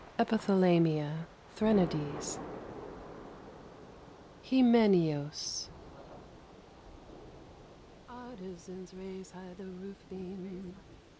EPITHALAMIA THRENODES HYMENAIOS Artisans, raise high the roof beam!